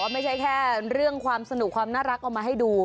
ไม่ใช่แค่เรื่องความสนุกความน่ารักเอามาให้ดู